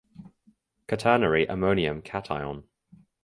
Quaternary ammonium cation